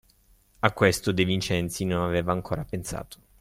A questo De Vincenzi non aveva ancora pensato.